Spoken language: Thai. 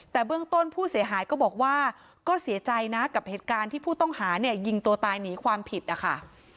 แต่เบื้องต้นผู้เสียหายก็บอกว่าก็เสียใจนะกับเหตุการณ์ที่ผู้ต้องหาเนี่ยยิงตัวตายหนีความผิดนะคะ